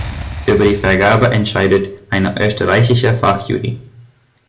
Über die Vergabe entscheidet eine österreichische Fachjury.